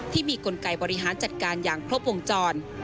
ที่มีกลไกบริหารจัดการอย่างครบวงจร